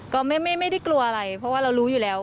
ก็ไม่ได้กลัวอะไรเพราะว่าเรารู้อยู่แล้ว